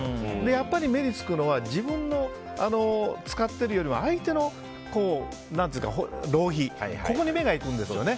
やっぱり目につくのは自分の使っているのよりは相手の浪費に目がいくんですよね。